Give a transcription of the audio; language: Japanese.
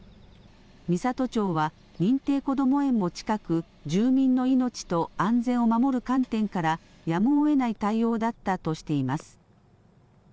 美郷町は認定こども園も近く住民の命と安全を守る観点からやむをえない対応だったとしています。